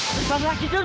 terbang lagi don